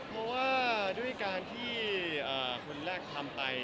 เพราะว่าด้วยการที่คนแรกทำไป